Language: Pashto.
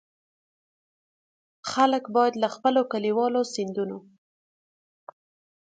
خلک باید له خپلو کلیوالو سیندونو.